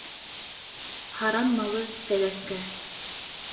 Һаран малы тәләфкә.